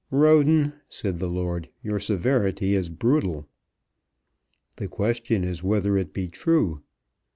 "Roden," said the lord, "your severity is brutal." "The question is whether it be true.